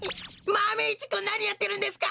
マメ１くんなにやってるんですか！